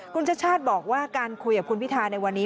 คุณชาติชาติบอกว่าการคุยกับคุณพิธาในวันนี้